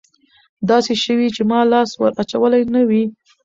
داسې شوي چې ما لاس ور اچولى نه وي.